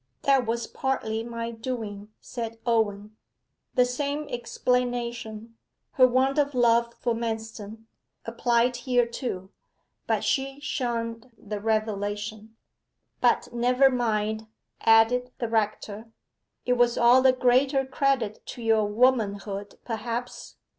'That was partly my doing,' said Owen. The same explanation her want of love for Manston applied here too, but she shunned the revelation. 'But never mind,' added the rector, 'it was all the greater credit to your womanhood, perhaps.